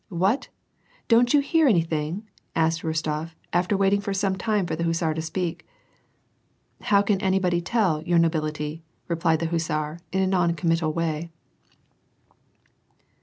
" What ! didn't you hear anything ?" asked Rostof, after waiting for some time for the hussar to speak. " How can anybody tell, your nobility," replied the hussar, in a non committal way.